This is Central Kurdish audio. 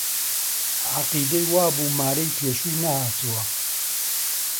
عەقیدەی وا بوو مارەی پێشووی نەهاتووە